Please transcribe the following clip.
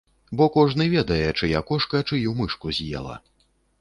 Бо кожны ведае, чыя кошка чыю мышку з'ела.